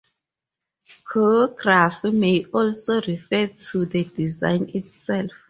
"Choreography" may also refer to the design itself.